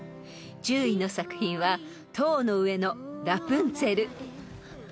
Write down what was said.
［１０位の作品は『塔の上のラプンツェル』］